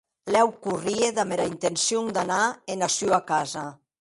Lèu corrie, damb era intencion d’anar ena sua casa.